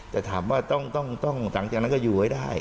แต่ถามว่าต้องต้องต้องต่างจากนั้นก็อยู่ไว้ได้